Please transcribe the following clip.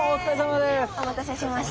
お待たせしました。